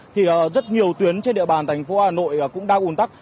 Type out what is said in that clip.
thì rất nhiều tuyến trên địa bàn thành phố hà nội cũng đang ủn tắc